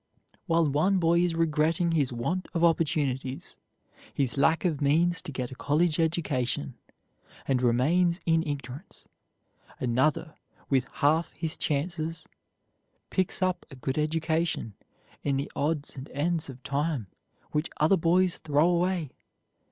While one boy is regretting his want of opportunities, his lack of means to get a college education, and remains in ignorance, another with half his chances picks up a good education in the odds and ends of time which other boys throw away.